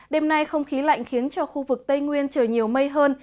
đêm nay không khí lạnh khiến cho khu vực tây nguyên trời nhiều mây hơn